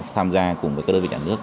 tham gia cùng với các đơn vị nhà nước